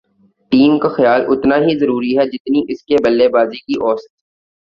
team کا خیال اتنا ہی ضروری ہے جتنی اس کی بلےبازی کی اوسط